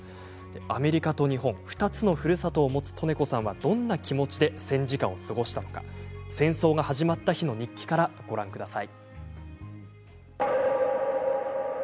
アメリカと日本２つのふるさとを持つ利根子さんはどんな気持ちで戦時下を過ごしたのか戦争が始まった日の日記からご覧ください。